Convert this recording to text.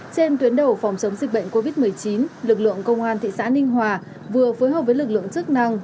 trên tuyến đầu phòng chống dịch bệnh covid một mươi chín lực lượng công an thị xã ninh hòa vừa phối hợp với lực lượng chức năng